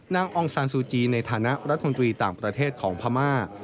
องซานซูจีในฐานะรัฐมนตรีต่างประเทศของพม่า